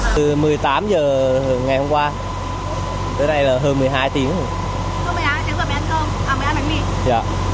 từ một mươi tám h ngày hôm qua tới nay là hơn một mươi hai h